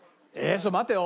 ちょっと待ってよ。